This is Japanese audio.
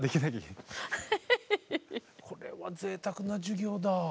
これはぜいたくな授業だ。